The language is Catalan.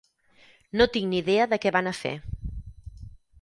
No tinc ni idea de què van a fer.